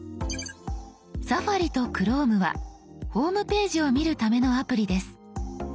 「Ｓａｆａｒｉ」と「Ｃｈｒｏｍｅ」はホームページを見るためのアプリです。